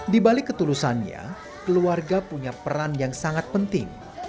di balik ketulusannya keluarga punya peran yang sangat penting